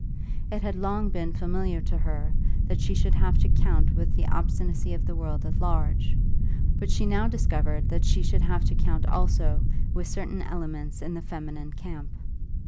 It had long been familiar to her that she should have to count with the obstinacy of the world at large, but she now discovered that she should have to count also with certain elements in the feminine camp.